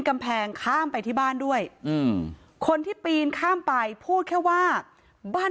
กำแพงข้ามไปที่บ้านด้วยอืมคนที่ปีนข้ามไปพูดแค่ว่าบ้าน